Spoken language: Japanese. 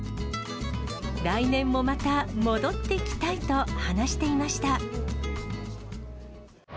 来年もまた、戻ってきたいと話していました。